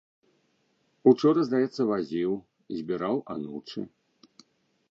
Учора, здаецца, вазіў, збіраў анучы.